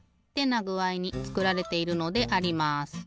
なぐあいにつくられているのであります。